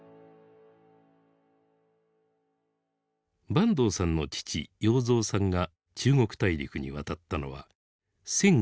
坂東さんの父要三さんが中国大陸に渡ったのは１９３４年。